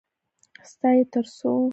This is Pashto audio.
_ستا يې تر څو؟